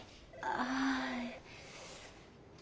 ああ。